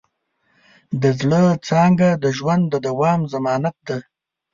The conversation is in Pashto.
د زړۀ څانګه د ژوند د دوام ضمانت ده.